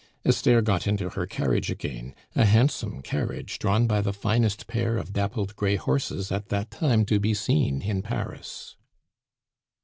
Esther got into her carriage again, a handsome carriage drawn by the finest pair of dappled gray horses at that time to be seen in Paris.